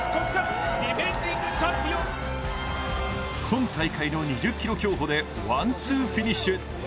今大会の２０ｋｍ競歩でワン・ツーフィニッシュ。